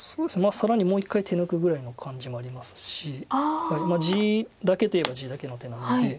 更にもう１回手抜くぐらいの感じもありますし地だけといえば地だけの手なので。